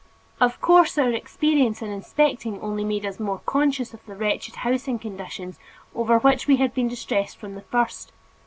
Of course our experience in inspecting only made us more conscious of the wretched housing conditions over which we had been distressed from the first.